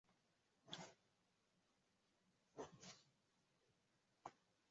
na wakati hayo yanajiri kundi la hes bola limekanusha kuhusika